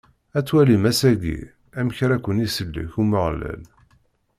Ad twalim ass-agi, amek ara ken-isellek Umeɣlal.